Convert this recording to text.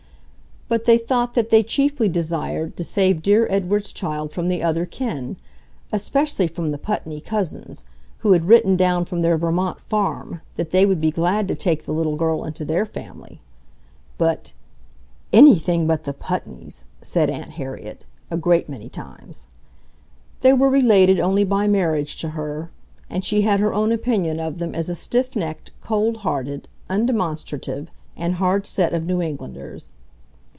But they thought that they chiefly desired to save dear Edward's child from the other kin, especially from the Putney cousins, who had written down from their Vermont farm that they would be glad to take the little girl into their family. But "ANYTHING but the Putneys!" said Aunt Harriet, a great many times. They were related only by marriage to her, and she had her own opinion of them as a stiffnecked, cold hearted, undemonstrative, and hard set of New Englanders.